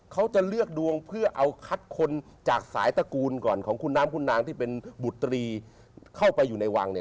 เขาจะเลือกดวงเพื่อเอาคัดคนจากสายตระกูลก่อนของคุณน้ำคุณนางที่เป็นบุตรีเข้าไปอยู่ในวังเนี่ย